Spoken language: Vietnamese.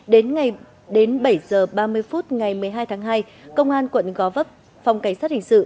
đến bảy h ba mươi phút ngày một mươi hai tháng hai công an quận gò vấp phòng cảnh sát hình sự